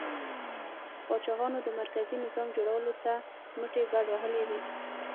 پاچاهانو د مرکزي نظام جوړولو ته مټې بډ وهلې وې.